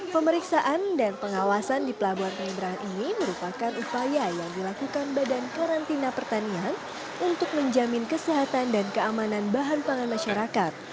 pemeriksaan dan pengawasan di pelabuhan penyeberangan ini merupakan upaya yang dilakukan badan karantina pertanian untuk menjamin kesehatan dan keamanan bahan pangan masyarakat